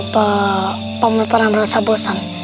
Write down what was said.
paman pernah merasa bosan